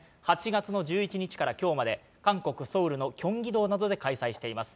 ８月の１１日からきょうまで韓国・ソウルのキョンギ道などで開催しています。